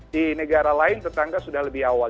di negara lain tetangga sudah lebih awal